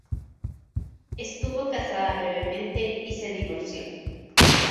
Estuvo casada brevemente y se divorció.